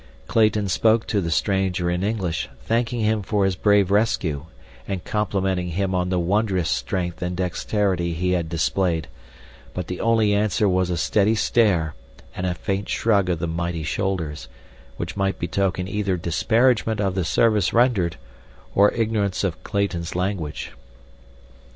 Clayton spoke to the stranger in English, thanking him for his brave rescue and complimenting him on the wondrous strength and dexterity he had displayed, but the only answer was a steady stare and a faint shrug of the mighty shoulders, which might betoken either disparagement of the service rendered, or ignorance of Clayton's language.